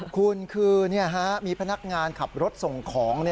คุณคือมีพนักงานขับรถส่งของ